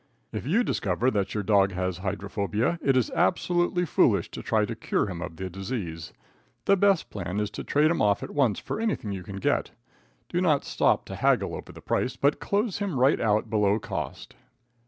If you discover that your dog has hydrophobia, it is absolutely foolish to try to cure him of the disease. The best plan is to trade him off at once for anything you can get. Do not stop to haggle over the price, but close him right out below cost.